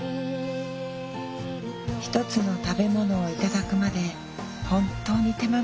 一つの食べ物を頂くまで本当に手間がかかっていました。